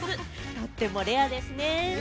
とってもレアですね。